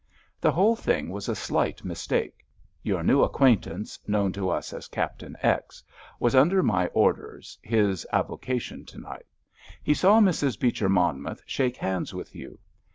"The whole thing was a slight mistake. Your new acquaintance, known to us as Captain X., was under my orders, his avocation to night. He saw Mrs. Beecher Monmouth shake hands with you.